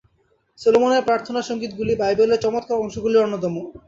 সলোমনের প্রার্থনা-সঙ্গীতগুলি বাইবেলের চমৎকার অংশগুলির অন্যতম।